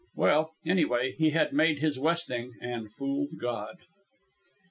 Well, anyway, he had made his westing and fooled God.